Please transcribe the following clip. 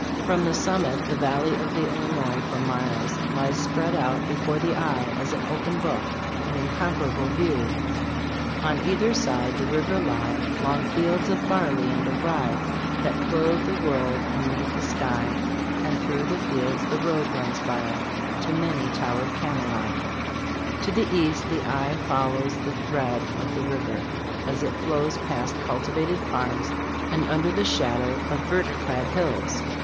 From the summit, the valley of the Illinois for miles lies spread out be fore the eye as an open book an incomparable view. " On either side the river lie Long fields of barley and of rye, That clothe the world and meet the sky ; And through the fields the road runs by To many towered Camelot To the east the eye follows the thread of the river, as it flows past cultivated farms and under the shadow of verdure clad hills.